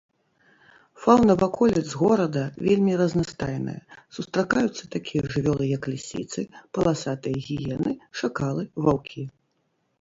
Фаўна ваколіц горада вельмі разнастайная, сустракаюцца такія жывёлы як лісіцы, паласатыя гіены, шакалы, ваўкі.